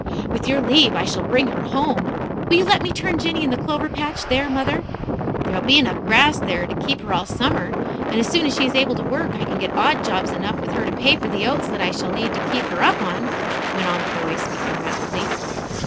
"With your leave, I shall bring her home. Will you let me turn Jinny in the clover patch there, mother? There'll be enough grass there to keep her all summer, and as soon as she is able to work I can get odd jobs enough with her to pay for the oats that I shall need to keep her up on," went on the boy speaking rapidly.